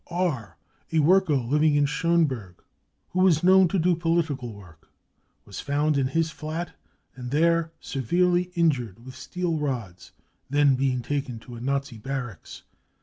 f u R., 4 i worker living in Schoneburg, who was known to do political work, was found in his flat and there * severely injured with steel rods, then being taken to a Nazi barracks.